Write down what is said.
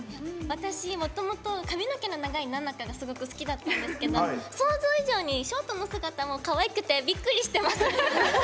私、もともと髪の長い菜々風がすごく好きだったんですけど想像以上にショートの姿もかわいくてびっくりしてます。